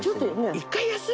１回休む？